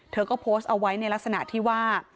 เธอก็โพสต์เอาไว้ในลักษณะที่ว่า